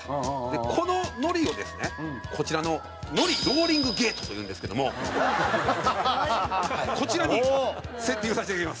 こののりをですね、こちらののりローリングゲートというんですけどもこちらにセッティングさせていただきます。